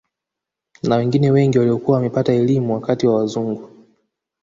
Na wengine wengi waliokuwa wamepata elimu wakati wa wazungu